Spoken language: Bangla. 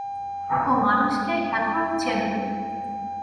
ও মানুষকে এখনো চেন নি।